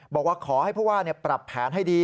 บอกว่าขอให้ผู้ว่าปรับแผนให้ดี